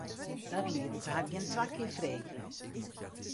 Dat lieten se har gjin twa kear freegje.